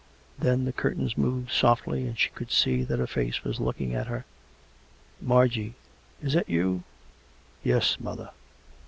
Then the curtains moved softly, and she could see that a face was looking at her. " Margy I Is that you ?"" Yes, mother."